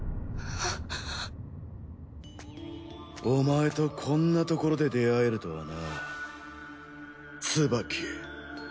お前とこんなところで出会えるとはなツバキ。